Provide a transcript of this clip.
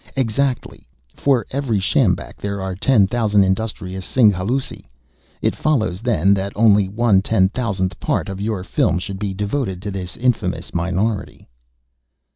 "Exactly. For every sjambak there are ten thousand industrious Singhalûsi. It follows then that only one ten thousandth part of your film should be devoted to this infamous minority."